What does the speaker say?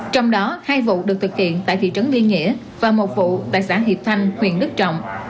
trong đó hai vụ được thực hiện tại thị trấn liên nghĩa và một vụ tại xã hiệp thanh huyện đức trọng